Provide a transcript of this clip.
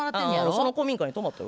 その古民家に泊まったよ。